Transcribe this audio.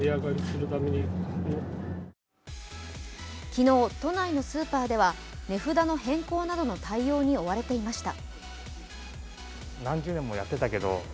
昨日、都内のスーパーでは値札の変更などの対応に追われていました。